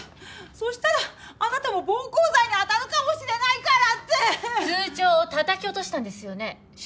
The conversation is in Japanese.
そしたら「あなたも暴行罪にあたるかもしれないから」って！通帳をたたき落としたんですよね手刀で。